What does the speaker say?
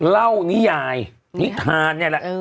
เล่านิยายนิทาน